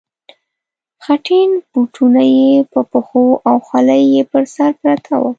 خټین بوټونه یې په پښو او خولۍ یې پر مخ پرته وه.